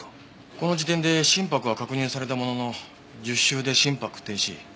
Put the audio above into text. この時点で心拍は確認されたものの１０週で心拍停止。